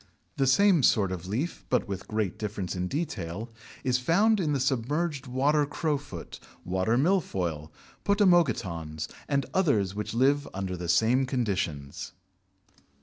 The same sort of leaf, but with great difference in detail, is found in the submerged Water Crowfoot, Water Milfoil, Potamogetons, and others which live under the same conditions.